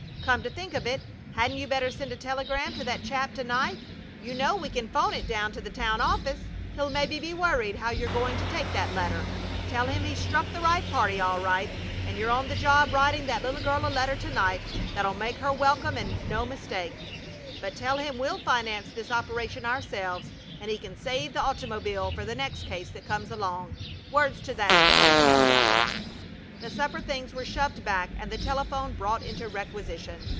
"Come to think of it, hadn't you better send a telegram to that chap to night? You know we can 'phone it down to the town office. He'll maybe be worried how you're going to take that letter. Tell him he's struck the right party, all right, and you're on the job writing that little girl a letter to night that'll make her welcome and no mistake. But tell him we'll finance this operation ourselves, and he can save the ottymobeel for the next case that comes along words to that effect you know, Mother." The supper things were shoved back and the telephone brought into requisition.